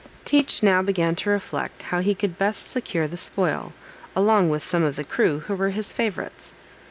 Teach now began to reflect how he could best secure the spoil, along with some of the crew who were his favorites.